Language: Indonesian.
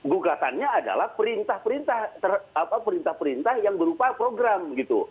gugatannya adalah perintah perintah apa perintah perintah yang berupa program gitu